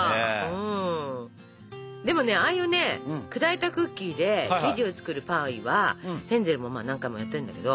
でもねああいうね砕いたクッキーで生地を作るパイはヘンゼルも何回もやってるんだけど。